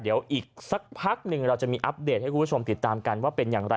เดี๋ยวอีกสักพักหนึ่งเราจะมีอัปเดตให้คุณผู้ชมติดตามกันว่าเป็นอย่างไร